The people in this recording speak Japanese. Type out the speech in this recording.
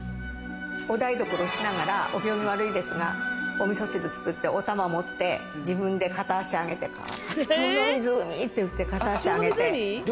お台所しながら、お行儀悪いですが、おみそ汁作って、お玉持って、自分で片足上げて『白鳥の湖』って言って。